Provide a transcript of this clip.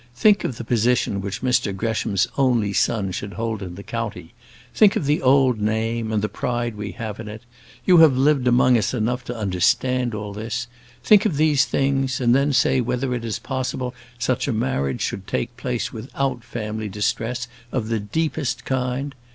Think of the position which Mr Gresham's only son should hold in the county; think of the old name, and the pride we have in it; you have lived among us enough to understand all this; think of these things, and then say whether it is possible such a marriage should take place without family distress of the deepest kind.